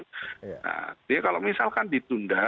nah jadi kalau misalkan ditunda